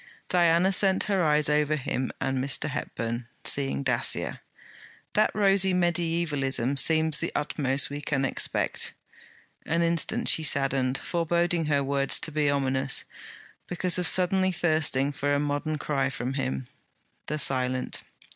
Diana sent her eyes over him and Mr. Hepburn, seeing Dacier. 'That rosy mediaevalism seems the utmost we can expect.' An instant she saddened, foreboding her words to be ominous, because of suddenly thirsting for a modern cry from him, the silent.